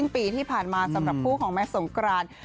ปีที่ผ่านมาสำหรับคู่ของแม่สงกราน